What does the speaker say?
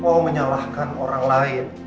kau menyalahkan orang lain